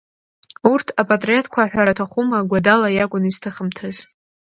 Урҭ апатреҭқәа, ҳәара аҭахума, Гәадала иакәын изҭыҳымҭаз.